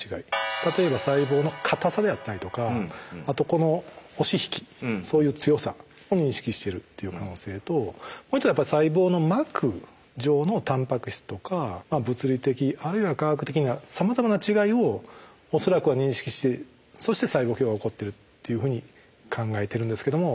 例えば細胞のかたさであったりとかあとこの押し引きそういう強さを認識してるっていう可能性ともう一つはやっぱり細胞の膜上のタンパク質とか物理的あるいは化学的なさまざまな違いを恐らくは認識してそして細胞競合が起こってるっていうふうに考えてるんですけども。